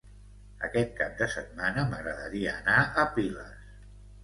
Aquest cap de setmana m'agradaria anar a Piles.